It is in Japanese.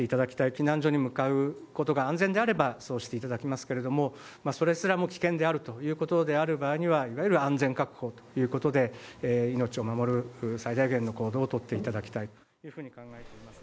避難所に向かうことが安全であれば、そうしていただきますけれども、それすらも危険であるということである場合には、いわゆる安全確保ということで、命を守る最大限の行動を取っていただきたい。